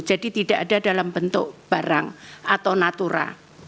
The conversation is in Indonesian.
jadi tidak ada dalam bentuk barang atau natura